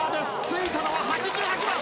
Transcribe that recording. ついたのは８８番。